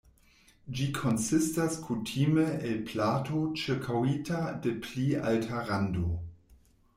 Ĝi konsistas kutime el plato ĉirkaŭita de pli alta rando.